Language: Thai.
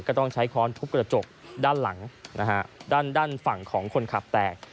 ก็ต้องใช้ค้อนทุบกระจกด้านหลังนะฮะด้านด้านฝั่งของคนขับแตก